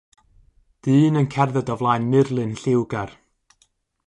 Dyn yn cerdded o flaen murlun lliwgar.